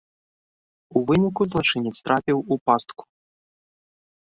У выніку злачынец трапіў у пастку.